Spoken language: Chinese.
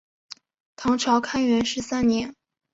唐朝开元十三年。